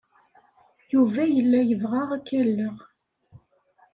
Yuba yella yebɣa ad k-alleɣ.